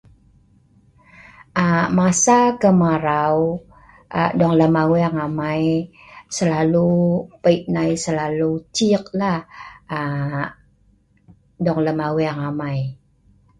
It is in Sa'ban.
Masa kemarau(pelcen) dong lem Aweng amai, selalu pei nai ciik dong lem Aweng amai